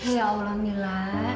ya allah mila